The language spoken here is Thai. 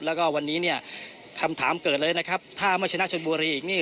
แล้วก็วันนี้เนี่ยคำถามเกิดเลยนะครับถ้าไม่ชนะชนบุรีอีกนี่